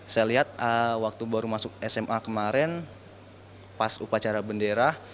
saya lihat waktu baru masuk sma kemarin pas upacara bendera